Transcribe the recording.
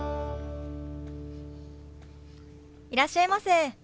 いらっしゃいませ。